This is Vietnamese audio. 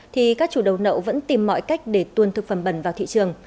thì các chủ đầu nậu vẫn tìm mọi cách để tuôn thực phẩm bẩn vào thị trường